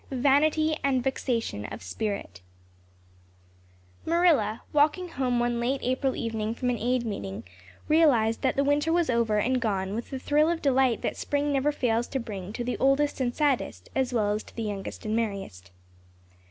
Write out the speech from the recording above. Vanity and Vexation of Spirit MARILLA, walking home one late April evening from an Aid meeting, realized that the winter was over and gone with the thrill of delight that spring never fails to bring to the oldest and saddest as well as to the youngest and merriest.